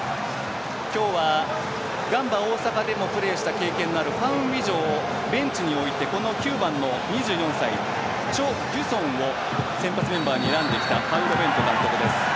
今日はガンバ大阪でもプレーした経験のあるファン・ウィジョをベンチに置いて９番の２４歳チョ・ギュソンを先発メンバーに選んできたパウロ・ベント監督です。